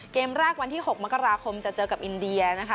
เกมแรกวันที่๖มกราคมจะเจอกับอินเดียนะคะ